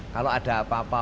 kalau ada apa apa